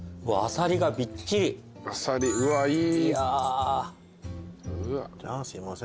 あさりうわっいい。